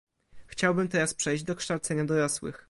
Chciałbym teraz przejść do kształcenia dorosłych